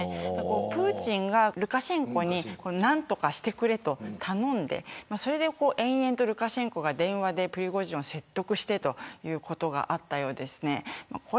プーチンが、ルカシェンコに何とかしてくれと頼んで延々とルカシェンコが電話でプリゴジンを説得してということがあったようです。